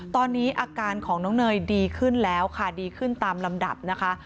ตอนนี้อาการของน้องเนยดีขึ้นแล้วค่ะดีขึ้นตามลำดับนะคะ